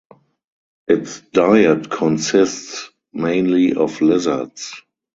Its diet consists mainly of lizards.